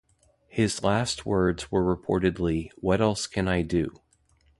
His last words were reportedly What else can I do?